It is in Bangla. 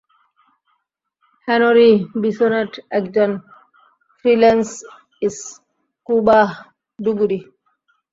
হেনরি বিসোনেট, একজন ফ্রিল্যান্স স্কুবা ডুবুরি।